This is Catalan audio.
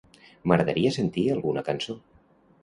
M'agradaria sentir alguna cançó.